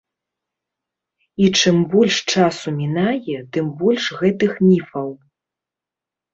І чым больш часу мінае, тым больш гэтых міфаў.